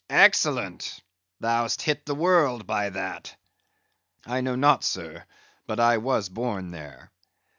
"Excellent! Thou'st hit the world by that." "I know not, sir, but I was born there."